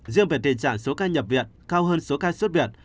riêng về tình trạng số ca nhập viện cao hơn số ca xuất viện